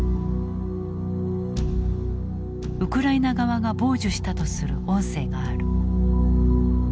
ウクライナ側が傍受したとする音声がある。